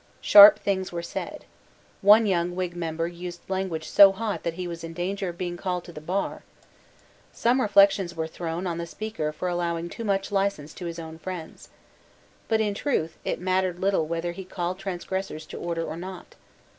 Sharp things were said. One young Whig member used language so hot that he was in danger of being called to the bar. Some reflections were thrown on the Speaker for allowing too much licence to his own friends. But in truth it mattered little whether he called transgressors to order or not.